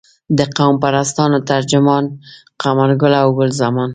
د قوم پرستانو ترجمان قمرګله او ګل زمان.